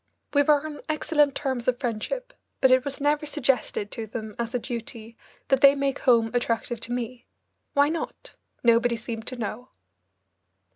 We were on excellent terms of friendship, but it was never suggested to them as a duty that they make home attractive to me. Why not? Nobody seemed to know.